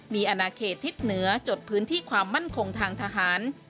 มีอนาเขตทิศเหนือจดพื้นที่ความมั่นคงทางทหาร